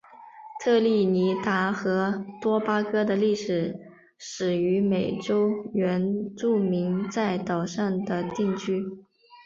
特立尼达和多巴哥的历史始于美洲原住民在岛上的定居。